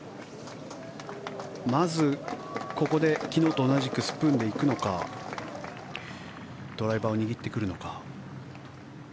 まず、ここで昨日と同じくスプーンで行くのかドライバーを握ってくるのか。